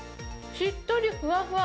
しっとりふわふわ。